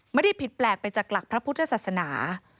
ไม่ได้ผิดแปลกไปจากหลักพระพุทธศาสนา